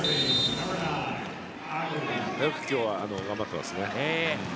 よく今日は頑張っていますね。